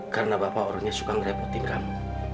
karena bapak orangnya suka ngerepotin kamu